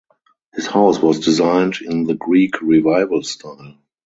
His house was designed in the Greek Revival style.